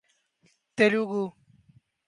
Telugu